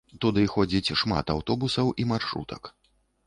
Туды ходзіць шмат аўтобусаў і маршрутак.